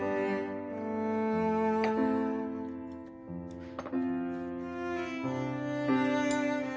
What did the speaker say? フフフ！